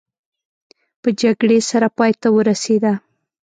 په جګړې سره پای ته ورسېده.